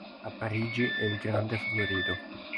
A Parigi è il grande favorito.